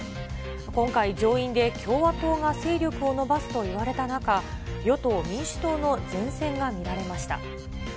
今回、上院で共和党が勢力を伸ばすと言われた中、与党・民主党の善戦が見られました。